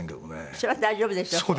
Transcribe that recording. それは大丈夫でしょう。